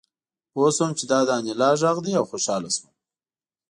پوه شوم چې دا د انیلا غږ دی او خوشحاله شوم